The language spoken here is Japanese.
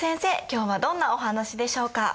今日はどんなお話でしょうか？